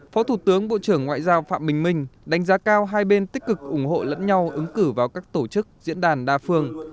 phó thủ tướng bộ trưởng ngoại giao phạm bình minh đánh giá cao hai bên tích cực ủng hộ lẫn nhau ứng cử vào các tổ chức diễn đàn đa phương